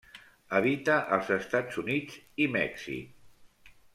Habita als Estats Units i Mèxic.